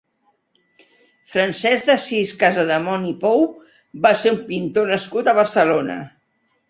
Francesc d'Assís Casademont i Pou va ser un pintor nascut a Barcelona.